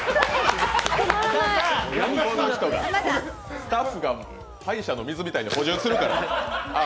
スタッフが歯医者の水みたいに補充するから。